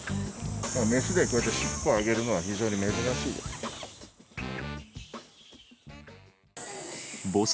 雌でこうやって尻尾を上げるのは非常に珍しいです。